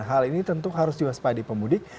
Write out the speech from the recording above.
hal ini tentu harus diwaspadi pemudik